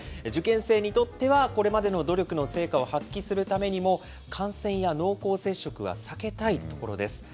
受験生にとっては、これまでの努力の成果を発揮するためにも、感染や濃厚接触は避けたいところです。